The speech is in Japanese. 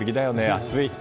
暑い。